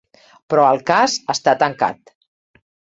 Però el cas està tancat.